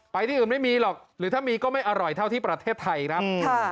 ที่อื่นไม่มีหรอกหรือถ้ามีก็ไม่อร่อยเท่าที่ประเทศไทยครับ